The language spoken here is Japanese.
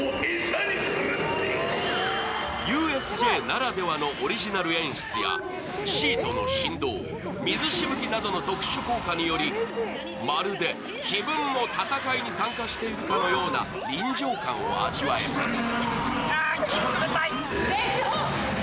ＵＳＪならではのオリジナル演出やシートの振動、水しぶきなどの特殊効果により、まるで自分も戦いに参加しているかのような臨場感を味わえます。